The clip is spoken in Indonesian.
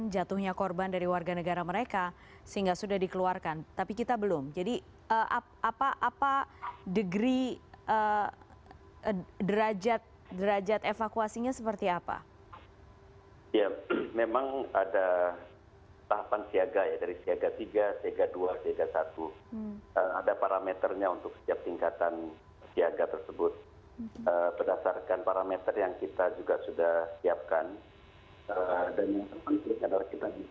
dan yang terpenting dalam pertemuan tersebut